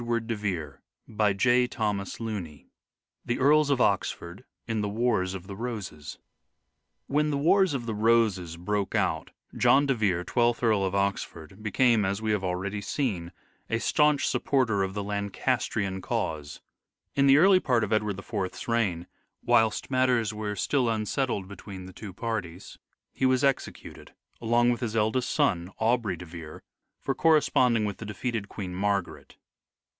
224 " SHAKESPEARE " IDENTIFIED III THE EARLS OF OXFORD IN THE WARS OF THE ROSES When the Wars of the Roses broke out, John de Vere, Twelfth Earl of Oxford, became, as we have already seen, a staunch supporter of the Lancastrian cause. In the early part of Edward IV's reign, whilst matters were still unsettled between the two parties, he was executed along with his eldest son, Aubrey de Vere, for corresponding with the defeated Queen Margaret.